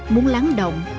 muốn lắng động